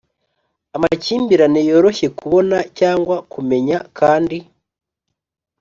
Amakimbirane yoroshye kubona cyangwa kumenya kandi